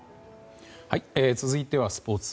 続いてはスポーツ。